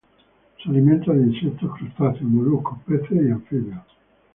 Se alimenta de insectos, crustáceos, moluscos, peces y anfibios.